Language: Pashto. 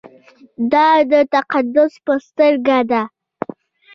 دا د تقدس په سترګه ده.